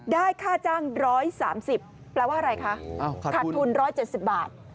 ได้ค่าจ้างร้อยสามสิบแปลว่าอะไรคะขาดทุนร้อยเจ็ดสิบบาท